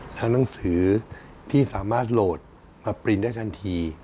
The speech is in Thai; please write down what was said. หนังสือที่สามารถโหลดมาปรินได้ทันที